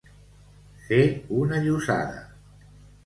Fer una llossada.